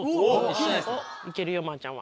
行けるよまーちゃんは。